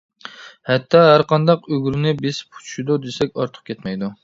ھەتتا ھەرقانداق ئۈگرىنى بېسىپ چۈشىدۇ دېسەك ئارتۇق كەتمەيدۇ.